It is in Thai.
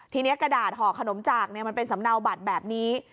ทีนี้กระดาษห่อขนมจากมันเป็นสำเนาบัตรแบบนี้